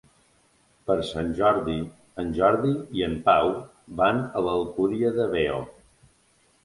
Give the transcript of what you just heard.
Per Sant Jordi en Jordi i en Pau van a l'Alcúdia de Veo.